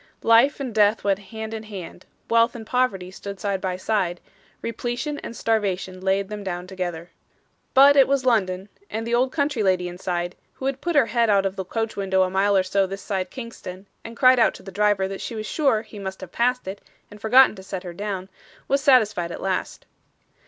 Life and death went hand in hand; wealth and poverty stood side by side; repletion and starvation laid them down together. But it was London; and the old country lady inside, who had put her head out of the coach window a mile or two this side Kingston, and cried out to the driver that she was sure he must have passed it and forgotten to set her down, was satisfied at last.